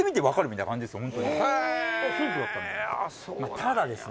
ただですね。